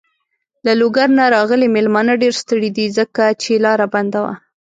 له لوګر نه راغلی مېلمانه ډېر ستړی دی. ځکه چې لاره بنده وه.